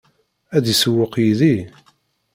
Ad isewweq yid-i?